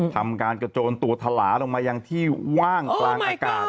ทำการกระโจนตัวทลาลงมายังที่ว่างกลางอากาศ